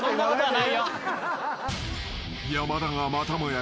［山田がまたもや